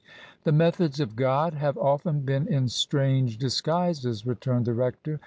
" The methods of God have often been in strange dis guises," returned the rector.